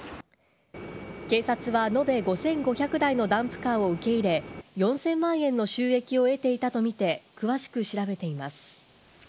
警察は、延べ５５００台のダンプカーを受け入れ、およそ４０００万円の収益を得ていたと見て、詳しく調べています。